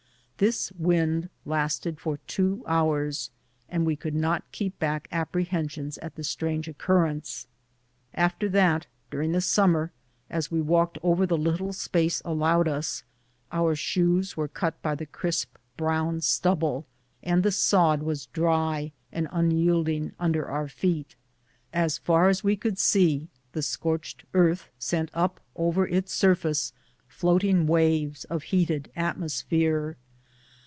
This wind lasted for two hours, and we could not keep back apprehensions at the strange occurrence. After that, during the summer, as we walked over the lit tle space allowed us, our shoes were cut by the crisp brown stubble, and the sod was dry and unyielding under our feet. As far as we could see, the scorched earth sent up over its surface floating waves of heat ed atmosphere.